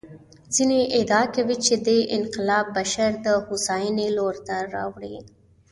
ځینې ادعا کوي چې دې انقلاب بشر د هوساینې لور ته راوړ.